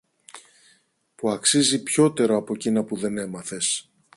που αξίζει πιότερο από κείνα που δεν έμαθες.